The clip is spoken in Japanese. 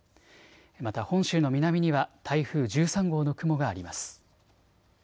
また本州の南には台風１３号の雲があります。